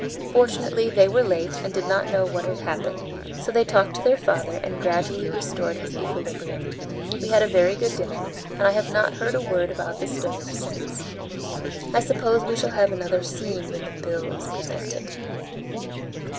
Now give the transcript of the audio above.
Fortunately they were late, and did not know what had happened, so they talked to their father and gradually restored his equilibrium. We had a very good dinner, and I have not heard a word about the stoves since. I suppose we shall have another scene when the bill is presented."